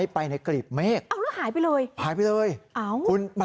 แล้วก็เรียกเพื่อนมาอีก๓ลำ